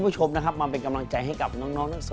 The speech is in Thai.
พอเอามารวมตัวกันโอ้โหกลม